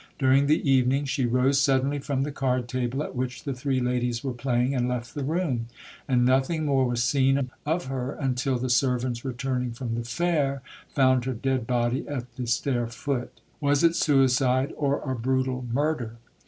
During the evening she rose suddenly from the card table, at which the three ladies were playing, and left the room; and nothing more was seen of her until the servants returning from the fair found her dead body at the stair foot. Was it suicide or a brutal murder?